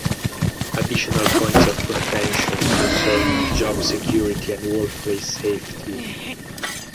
Additional points of contention concerned job security and workplace safety.